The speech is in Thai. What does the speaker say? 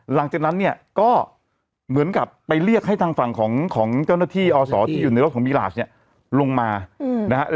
หลังจากนั้นเนี่ยก็เหมือนกับไปเรียกให้ทางฝั่งของเจ้าหน้าที่อศที่อยู่ในรถของมีหลาสเนี่ยลงมานะฮะ